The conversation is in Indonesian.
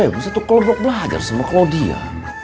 bisa tuh klo dok belajar sama klo dia